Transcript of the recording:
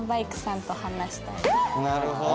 なるほど。